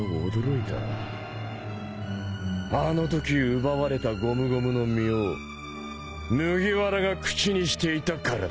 あのとき奪われたゴムゴムの実を麦わらが口にしていたからだ。